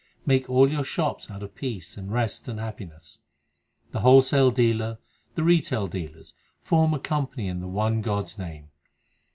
Make all your shops out of peace and rest and happiness. The wholesale dealer, 2 the retail dealers, 3 form a company in the one God s name.